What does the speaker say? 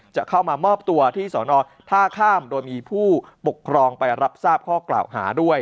จะเข้ามามอบตัวที่สอนอท่าข้ามโดยมีผู้ปกครองไปรับทราบข้อกล่าวหาด้วย